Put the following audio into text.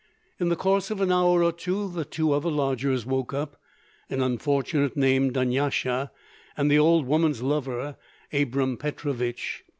In the course of an hour or two the two other lodgers woke up, an unfortunate named Dunyasha, and the old woman's lover Abram Petrovich.